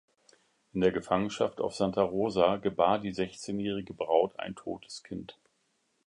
In der Gefangenschaft auf Santa Rosa gebar die sechzehnjährige Braut ein totes Kind.